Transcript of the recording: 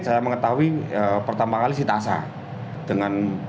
saya mengetahui pertama kali si tasha